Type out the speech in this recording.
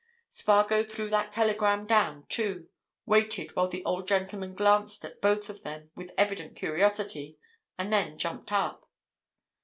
Spargo threw that telegram down, too, waited while the old gentleman glanced at both of them with evident curiosity, and then jumped up.